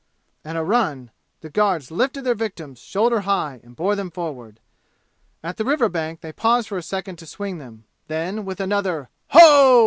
and a run, the guards lifted their victims shoulder high and bore them forward. At the river bank they paused for a second to swing them. Then, with another "Ho!"